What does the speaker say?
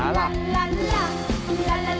ลาลาลาลาลาลาลา